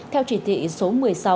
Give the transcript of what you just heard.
theo chỉ thị số một mươi sáu